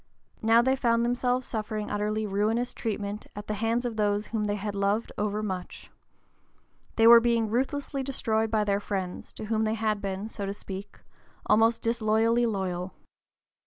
Now they found themselves suffering utterly ruinous treatment at the hands of those whom they had loved overmuch. They were being ruthlessly destroyed by their friends, to whom they had been, so to speak, almost disloyally loyal.